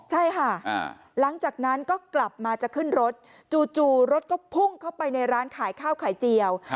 ใช่ค่ะหลังจากนั้นก็กลับมาจะขึ้นรถจู่รถก็พุ่งเข้าไปในร้านขายข้าวไข่เจียว